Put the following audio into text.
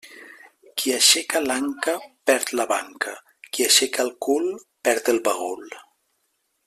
Qui aixeca l'anca perd la banca, qui aixeca el cul perd el bagul.